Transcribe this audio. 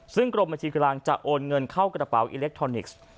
ซึ่งกรมบัญชีกำลังจะโอนเงินเข้ากระเป๋าอิเล็กทรอนิกส์